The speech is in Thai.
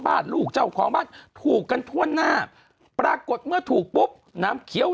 ลูกเจ้าของบ้านถูกกันทั่วหน้าปรากฏเมื่อถูกปุ๊บน้ำเคี้ยว